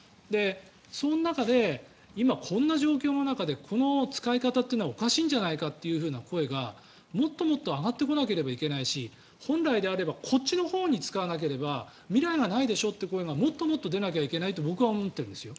その中で今この状況の中でこの使い方っていうのはおかしいんじゃないかという声がもっともっと上がってこなきゃいけないし本来であればこっちのほうに使わなきゃ未来がないでしょって声がもっともっと出ないといけないと僕は思っているんですよ。